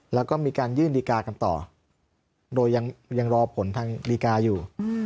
แล้วก็มีการยื่นดีการ์กันต่อโดยยังรอผลทางดีการอยู่